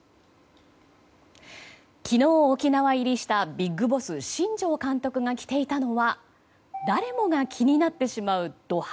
昨日、沖縄入りしたビッグボス新庄監督が着ていたのは誰もが気になってしまうド